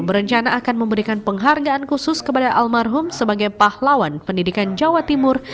berencana akan memberikan penghargaan khusus kepada almarhum sebagai pahlawan pendidikan jawa timur